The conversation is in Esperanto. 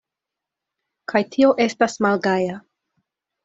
Kaj tio estas malgaja!